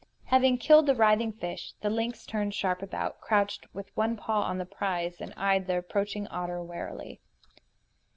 Having killed the writhing fish, the lynx turned sharp about, crouched with one paw on the prize, and eyed the approaching otter warily.